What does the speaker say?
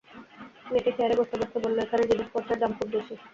মেয়েটি চেয়ারে বসতে বসতে বলল, এখানে জিনিসপত্রের দাম খুব বেশি।